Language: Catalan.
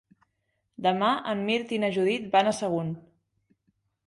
Demà en Mirt i na Judit van a Sagunt.